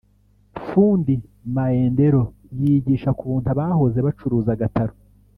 Fundi Maendelo yigisha ku buntu abahoze bacuruza agataro